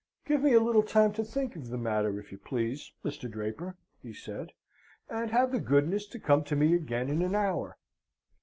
"Give me a little time to think of the matter, if you please, Mr. Draper," he said, "and have the goodness to come to me again in an hour.